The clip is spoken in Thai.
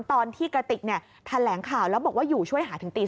ตอนที่กระติกแถลงข่าวแล้วบอกว่าอยู่ช่วยหาถึงตี๓